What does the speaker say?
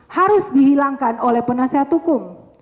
harus dihilangkan oleh penasihat hukum